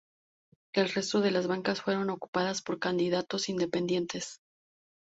El resto de las bancas fueron ocupadas por candidatos independientes.